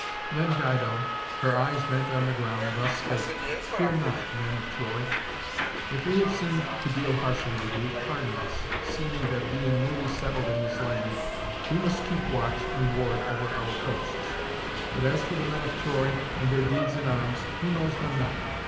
Then Dido, her eyes bent on the ground, thus spake, "Fear not, men of Troy. If we have seemed to deal harshly with you, pardon us, seeing that, being newly settled in this land, we must keep watch and ward over our coasts. But as for the men of Troy, and their deeds in arms, who knows them not?